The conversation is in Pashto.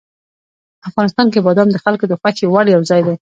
افغانستان کې بادام د خلکو د خوښې وړ یو ځای دی.